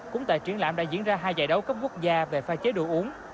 cúng tại truyền lãm đã diễn ra hai giải đấu cấp quốc gia về pha chế đồ uống